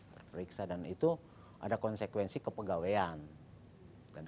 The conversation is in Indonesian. terperiksa dan itu ada konsekuensi kepegawaian